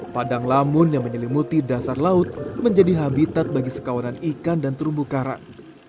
padang lamun yang menyelimuti dasar laut menjadi habitat bagi sekawanan ikan dan terumbu karang